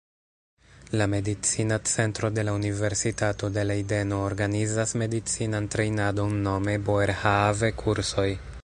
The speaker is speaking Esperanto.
La Medicina Centro de la Universitato de Lejdeno organizas medicinan trejnadon nome "Boerhaave-kursoj".